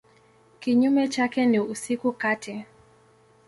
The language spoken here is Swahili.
Kinyume chake ni usiku kati.